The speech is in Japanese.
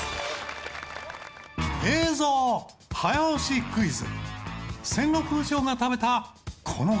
映像早押しクイズ。